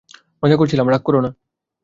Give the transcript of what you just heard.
মজা করছিলাম, রাগ করোনা।